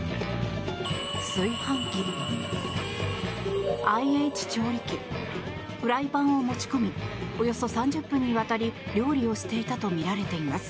炊飯器、ＩＨ調理器フライパンを持ち込みおよそ３０分にわたり料理をしていたとみられています。